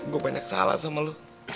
gua banyak salah sama lu